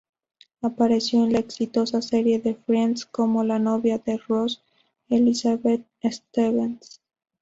Apareció en la exitosa serie de "Friends" como la novia de Ross, Elizabeth Stevens.